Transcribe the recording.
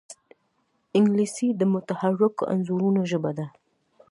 انګلیسي د متحرکو انځورونو ژبه ده